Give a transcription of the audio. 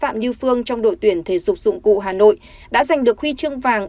phạm như phương trong đội tuyển thể dục dụng cụ hà nội đã giành được huy chương vàng